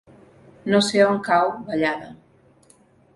No sé on cau Vallada.